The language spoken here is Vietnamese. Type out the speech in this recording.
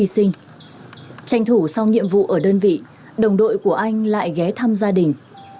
sau nhiệm vụ ở đơn vị đồng đội của anh lại ghé thăm gia đình